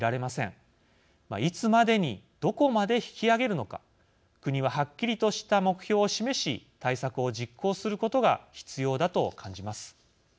いつまでにどこまで引き上げるのか国ははっきりとした目標を示し対策を実行することが必要だと感じます。